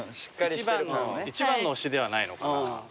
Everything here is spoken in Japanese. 一番の推しではないのかな。